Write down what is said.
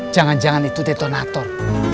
jangan jangan itu detonator